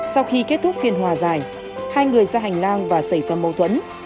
sau khi kết thúc phiên hòa giải hai người ra hành lang và xảy ra mâu thuẫn